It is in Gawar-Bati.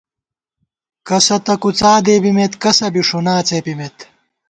کسہ تہ کُڅا دېبِمېت، کسہ بی ݭُنا څېپِمېت